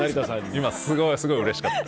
今すごいうれしかった。